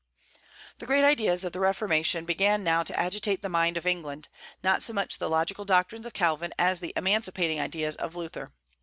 The great ideas of the Reformation began now to agitate the mind of England, not so much the logical doctrines of Calvin as the emancipating ideas of Luther.